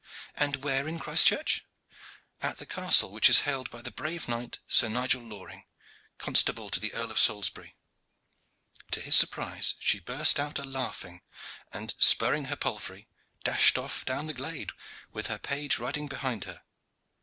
"And where is Christchurch?" "At the castle which is held by the brave knight, Sir Nigel Loring, constable to the Earl of Salisbury." To his surprise she burst out a laughing, and, spurring her palfrey, dashed off down the glade, with her page riding behind her.